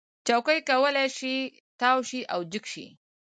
چوکۍ کولی شي تاو شي او جګ شي.